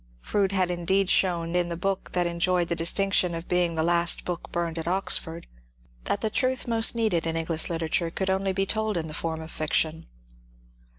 Froude had indeed shown, in the book that enjoyed the distinction of being the last book burned at Oxford, that the truth most needed in English literature could be told only in the form of fiction.